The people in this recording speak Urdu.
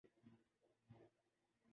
کہہ وہ دوسر افراد کے ثر دیکھ سکہ